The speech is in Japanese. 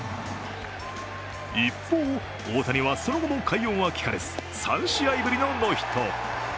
一方、大谷はその後も快音は聞かれず３試合ぶりのノーヒット。